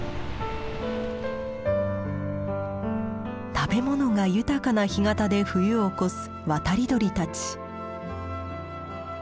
食べ物が豊かな干潟で冬を越す渡り鳥たち。